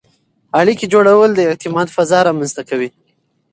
اړیکې جوړول د اعتماد فضا رامنځته کوي.